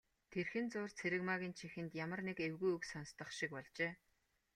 Тэрхэн зуур Цэрэгмаагийн чихэнд ямар нэг эвгүй үг сонстох шиг болжээ.